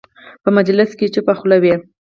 په مجلس کې چوپه خوله وي.